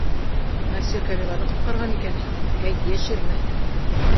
Насир, Камиланы ҡотҡарған икәнһең, әйт, йәшермә.